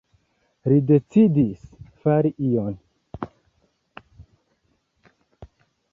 Li decidis „fari ion“.